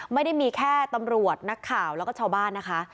ไม่ได้มีแค่ตำรวจนักข่าวแล้วก็ชาวบ้านนะคะ